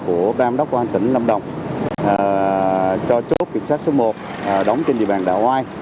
ủy ban đốc quan tỉnh lâm đồng cho chốt kiểm soát số một đóng trên địa bàn đạ hoài